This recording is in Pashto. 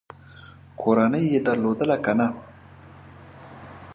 کورنۍ یې درلودله که نه ؟